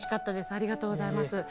ありがとうございます。